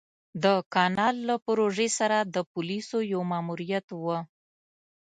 د کانال له پروژې سره د پوليسو يو ماموريت و.